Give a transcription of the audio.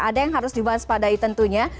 ada yang harus dibahas padai tentunya